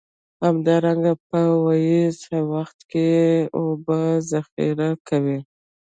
همدارنګه په اوبیز وخت کې اوبه ذخیره کوي.